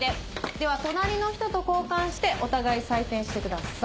では隣の人と交換してお互い採点してください。